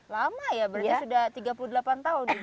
lama ya berarti sudah tiga puluh delapan tahun